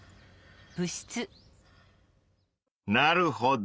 なるほど。